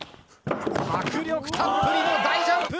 迫力たっぷりの大ジャンプ！